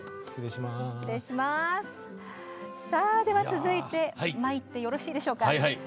続いてまいってよろしいでしょうか。